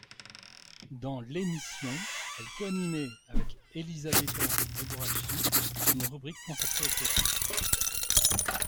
Dans l'émission, elle coanimait avec Elisabetta Gregoraci une rubrique consacrée aux potins.